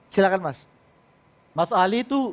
silahkan mas mas ali itu